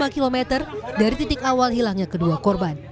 satu lima kilometer dari titik awal hilangnya kedua korban